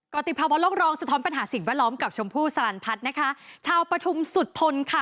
ติภาวะโลกรองสะท้อนปัญหาสิ่งแวดล้อมกับชมพู่สลันพัฒน์นะคะชาวปฐุมสุดทนค่ะ